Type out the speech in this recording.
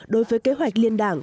đối với kế hoạch liên đảng